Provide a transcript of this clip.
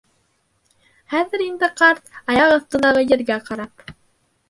Хәҙер инде ҡарт, аяҡ аҫтындағы ергә ҡарап: